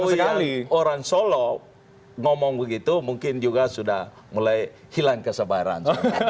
kalau presiden pajakowian orang solo ngomong begitu mungkin juga sudah mulai hilang kesabaran